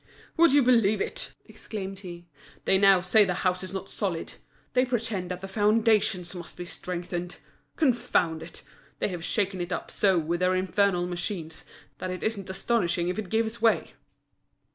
"Would you believe it!" exclaimed he, "they now say the house is not solid; they pretend that the foundations must be strengthened. Confound it! they have shaken it up so with their infernal machines, that it isn't astonishing if it gives way!"